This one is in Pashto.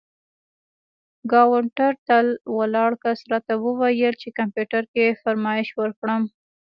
کاونټر ته ولاړ کس راته وویل چې کمپیوټر کې فرمایش ورکړم.